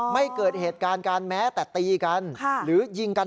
ไม่เกิดเหตุการณ์กันแม้แต่ตีกัน